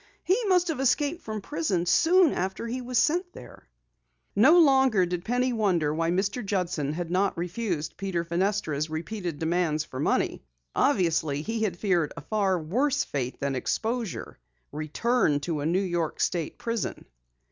"He must have escaped from prison soon after he was sent there!" No longer did Penny wonder why Mr. Judson had not refused Peter Fenestra's repeated demands for money. Obviously he had feared a far worse fate than exposure return to the New York state prison.